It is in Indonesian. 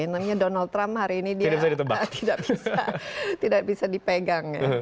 namanya donald trump hari ini dia tidak bisa dipegang